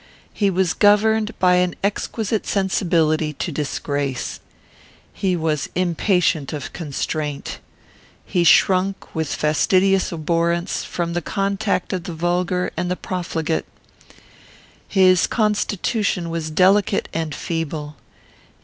He was governed by an exquisite sensibility to disgrace. He was impatient of constraint. He shrunk, with fastidious abhorrence, from the contact of the vulgar and the profligate. His constitution was delicate and feeble.